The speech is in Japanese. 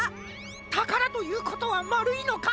たからということはまるいのか？